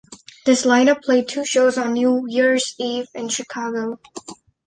This lineup played two shows on New Year's Eve in Chicago.